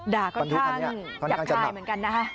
ด่าก็คล้างอยากถ่ายเหมือนกันนะฮะ